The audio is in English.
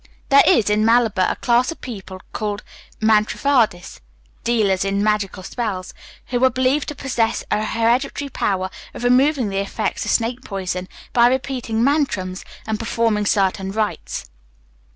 There is, in Malabar, a class of people called mantravadis (dealers in magical spells), who are believed to possess an hereditary power of removing the effects of snake poison by repeating mantrams, and performing certain rites.